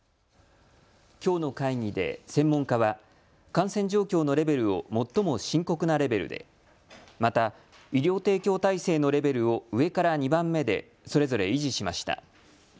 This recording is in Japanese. きょうの会議で専門家は感染状況のレベルを最も深刻なレベルで、また医療提供体制のレベルを上から２番目でそれぞれ維持しました。